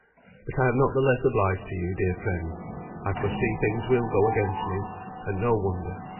But I am not the less obliged to you, dear friend. I foresee things will go against me and no wonder.